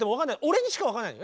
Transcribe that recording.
俺にしか分かんない。